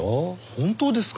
本当ですか？